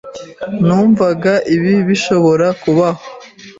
Numvaga ibi bishobora kubaho.